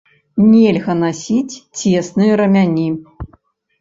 Нельга насіць цесныя рамяні.